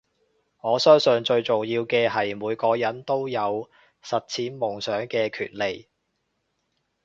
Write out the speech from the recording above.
我相信最重要嘅係每個人都有實踐夢想嘅權利